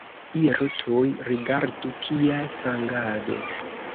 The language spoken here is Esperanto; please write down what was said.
Iru tuj, rigardu, kia sangado!